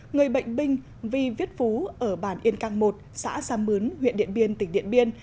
người bệnh binh vi viết phú ở bản yên căng một xã sam mướn huyện điện biên tỉnh điện biên